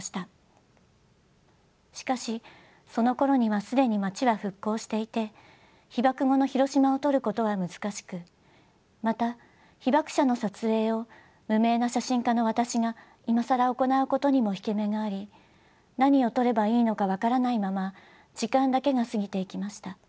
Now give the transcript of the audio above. しかしそのころには既に街は復興していて被爆後のヒロシマを撮ることは難しくまた被爆者の撮影を無名な写真家の私が今更行うことにも引け目があり何を撮ればいいのか分からないまま時間だけが過ぎていきました。